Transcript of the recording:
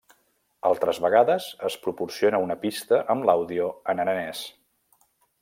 Altres vegades, es proporciona una pista amb l'àudio en aranès.